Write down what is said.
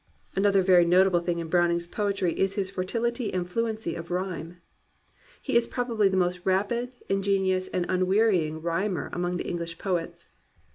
Another very notable thing in Browning's poetry is his fertility and fluency of rhyme. He is probably the most rapid, ingenious, and unwearying rhymer among the English poets.